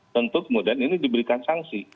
tentu kemudian ini diberikan sanksi